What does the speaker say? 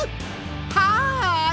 はい！